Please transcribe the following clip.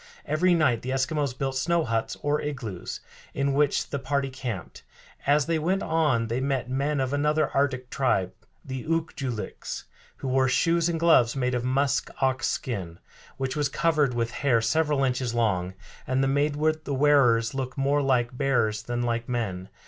Every night the Eskimos built snow huts, or igloos, in which the party camped. As they went on they met men of another Arctic tribe, the Ook joo liks, who wore shoes and gloves made of musk ox skin, which was covered with hair several inches long, and made the wearers look more like bears than like men.